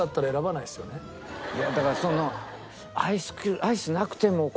いやだからその。